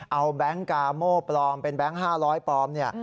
เอาแบงค์กาโม่ปลอมเป็นแบงค์๕๐๐ปลอมเนี่ย